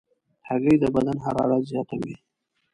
هګۍ د بدن حرارت زیاتوي.